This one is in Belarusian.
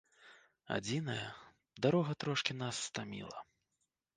Адзінае, дарога трошкі нас стаміла.